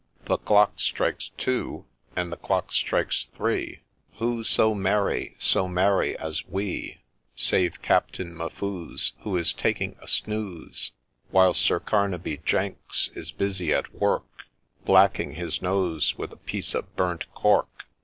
— The clock strikes Two ! and the clock strikes Three !—' Who so merry, so merry as we ?' Save Captain M'Fuze, Who is taking a snooze, While Sir Carnaby Jenks is busy at work, Blacking his nose with a piece of burnt cork.